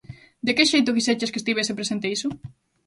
De que xeito quixeches que estivese presente iso?